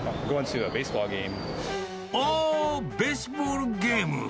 おー、ベースボールゲーム。